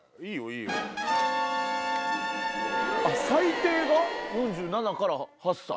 ⁉最低が４７から４８歳。